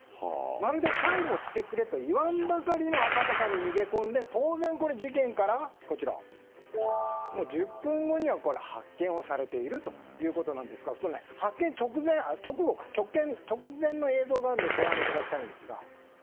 まるで逮捕してくれと言わんばかりに、赤坂に逃げ込んで当然、事件から１０分後には発見をされているということなんですが発見直前の映像があるのでご覧ください。